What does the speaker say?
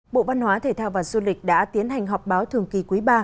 bộ văn hóa thể thao và du lịch đã tiến hành họp báo thường kỳ quý ba